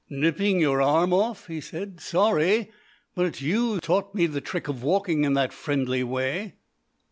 "Nipping your arm off?" he said. "Sorry. But it's you taught me the trick of walking in that friendly way."